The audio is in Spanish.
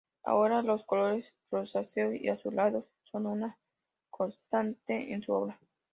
Ahora los colores rosáceo y azulados son una constante en su obra.